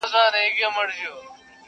په اوښکو لوند مي مخ د رویبار دی,